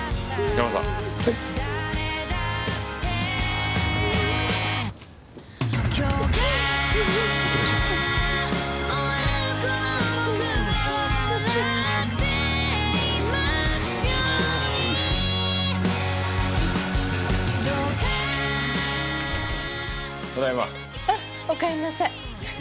あっおかえりなさい。